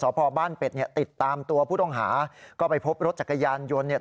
ตำรวจสอบพอบ้านเป็ดติดตามตัวผู้ต้องหาก็ไปพบรถจักรยานยนต์